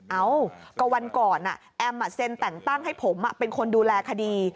เอ้าก็วันก่อนแอมเซ็นแต่งตั้งให้ผมเป็นคนดูแลคดี